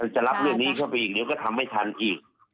จะรับเรื่องนี้เข้าไปอีกเดี๋ยวก็ทำไม่ทันอีก